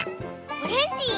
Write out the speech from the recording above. オレンジ。